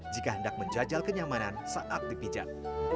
jika hendak menjajal kenyamanan saat dipijat